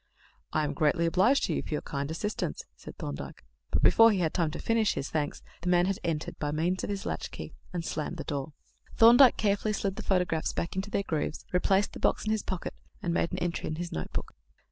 "I am greatly obliged to you for your kind assistance," said Thorndyke; but before he had time to finish his thanks, the man had entered, by means of his latchkey, and slammed the door. Thorndyke carefully slid the photographs back into their grooves, replaced the box in his pocket, and made an entry in his notebook.